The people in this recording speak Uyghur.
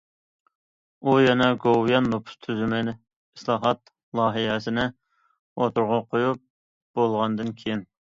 ئۇ يەنە گوۋۇيۈەن نوپۇس تۈزۈمى ئىسلاھات لايىھەسىنى ئوتتۇرىغا قويۇپ بولغاندىن كېيىن.